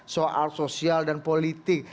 soal sosial dan politik